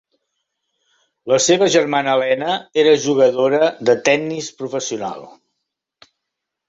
La seva germana Elena era jugadora de tennis professional.